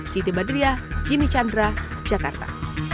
siti badriah jimmy chandra jakarta